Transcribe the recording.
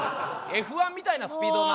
Ｆ１みたいなスピードだな。